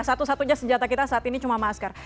satu satunya senjata kita saat ini cuma masker